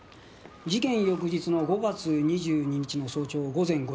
事件翌日の５月２２日の早朝午前５時頃。